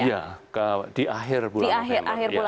iya di akhir bulan